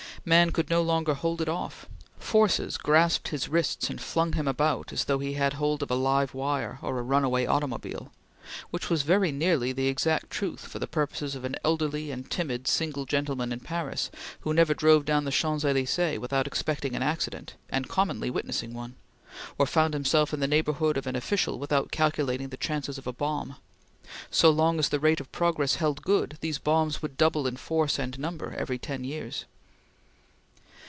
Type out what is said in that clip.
Man could no longer hold it off. Forces grasped his wrists and flung him about as though he had hold of a live wire or a runaway automobile; which was very nearly the exact truth for the purposes of an elderly and timid single gentleman in Paris, who never drove down the Champs Elysees without expecting an accident, and commonly witnessing one; or found himself in the neighborhood of an official without calculating the chances of a bomb. So long as the rates of progress held good, these bombs would double in force and number every ten years.